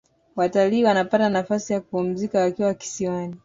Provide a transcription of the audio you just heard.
watalii wanapata nafasi ya kupumzika wakiwa kisiwani